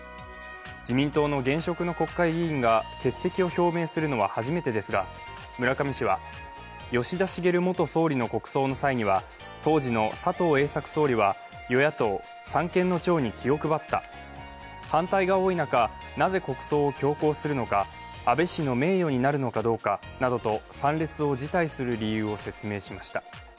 自民党の現職の国会議員が欠席を表明するのは初めてですが、村上氏は、吉田茂元総理の国葬の際には当時の佐藤栄作総理は与野党、三権の長に気を配った、反対が多い中、なぜ国葬を強行するのか安倍氏の名誉になるのかどうかなどと参列を辞退する理由を説明しました。